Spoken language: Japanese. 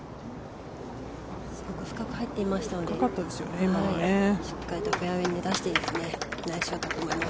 深く入っていましたので、しっかりとフェアウェーに出してナイスショットだと思います。